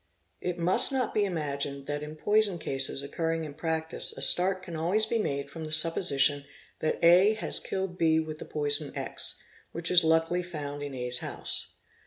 It must not be imagined that in poison cases occurring in practice a start can always be made from the supposition that A has killed B with the poison X, which is luckily found in A's house.